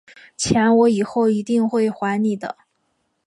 钱我以后一定会还你的